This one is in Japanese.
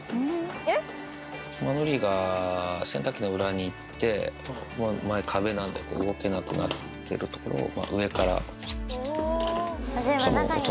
のりが洗濯機の裏に行って、前、壁なんで動けなくなってるところを上からふわっと。